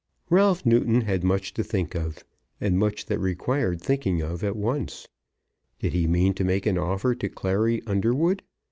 Ralph Newton had much to think of, and much that required thinking of at once. Did he mean to make an offer to Clary Underwood?